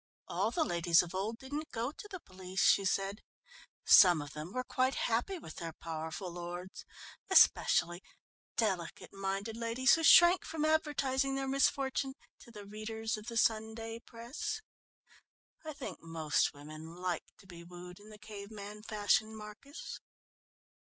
"All the ladies of old didn't go to the police," she said. "Some of them were quite happy with their powerful lords, especially delicate minded ladies who shrank from advertising their misfortune to the readers of the Sunday press. I think most women like to be wooed in the cave man fashion, Marcus."